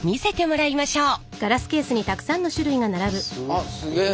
あっすげえ。